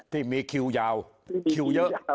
ที่มีคิวยาวคิวเยอะ